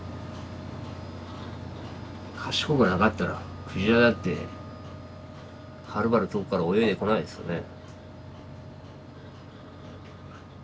賢くなかったら鯨だってはるばる遠くから泳いでこないですよね。